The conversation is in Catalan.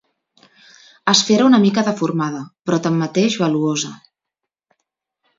Esfera una mica deformada, però tanmateix valuosa.